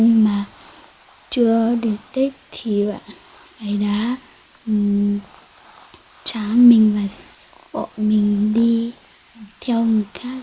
nhưng mà chưa được tết thì bạn ấy đã trả mình và bọn mình đi theo người khác